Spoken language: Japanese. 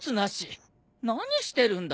何してるんだ